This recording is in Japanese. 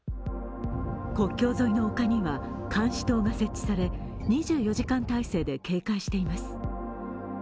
国境沿いの丘には監視塔が設置され、２４時間体制で警戒しています。